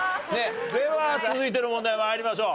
では続いての問題参りましょう。